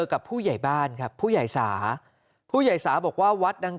กับผู้ใหญ่บ้านครับผู้ใหญ่สาผู้ใหญ่สาบอกว่าวัดดัง